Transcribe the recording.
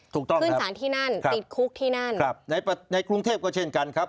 ถูกต้องครับครับครับในกรุงเทพฯก็เช่นกันครับ